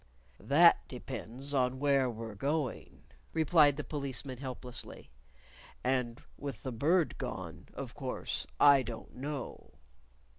"That depends on where we're going," replied the Policeman, helplessly. "And with the Bird gone, of course I don't know."